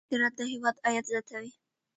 صادرات د هېواد عاید زیاتوي.